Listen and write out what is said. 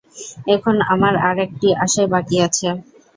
এখন আমার আর একটি আশাই বাকী আছে।